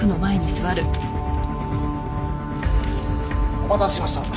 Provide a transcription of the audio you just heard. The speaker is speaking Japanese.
お待たせしました。